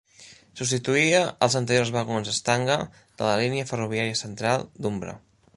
Substituïa els anteriors vagons Stanga de la línia ferroviària central d'Umbra.